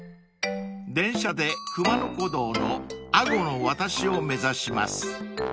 ［電車で熊野古道の安居の渡しを目指します］